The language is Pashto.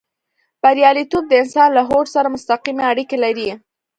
برياليتوب د انسان له هوډ سره مستقيمې اړيکې لري.